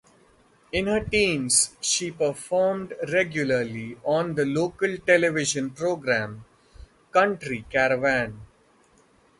In her teens, she performed regularly on the local television program "Country Caravan".